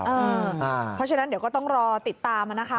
เพราะฉะนั้นเดี๋ยวก็ต้องรอติดตามนะคะ